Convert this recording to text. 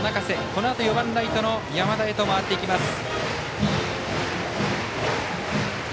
このあと４番ライトの山田へと回っていきます。